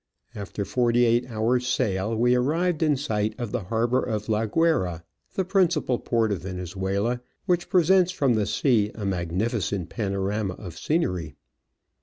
After forty eight hours' sail we arrived in sight of the harbour of La Guayra, the principal port of Venezuela, which presents from the sea a magnificent panorama of scenery.